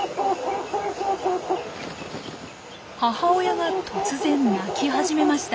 母親が突然鳴き始めました。